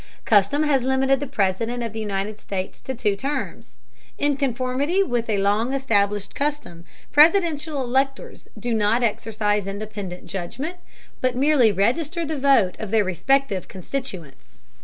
Custom has limited the President of the United States to two terms. In conformity with a long established custom, Presidential electors do not exercise independent judgment, but merely register the vote of their respective constituents.